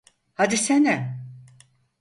Hadisene!